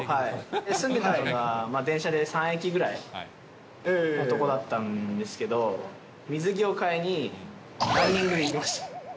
住んでたのが電車で３駅ぐらいの所だったんですけど、水着を買いにランニングで行きました。